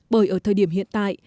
bởi ở thời điểm hiện tại